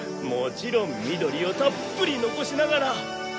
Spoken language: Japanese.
もちろん緑をたっぷり残しながら。